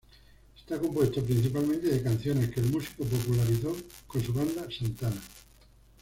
Está compuesto principalmente de canciones que el músico popularizó con su banda, Santana.